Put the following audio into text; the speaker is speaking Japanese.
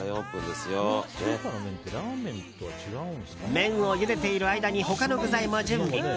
麺をゆでている間に他の具材も準備。